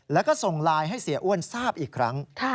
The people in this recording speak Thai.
แล้วก็ส่งไลน์ให้เสียอ้วนทราบอีกครั้ง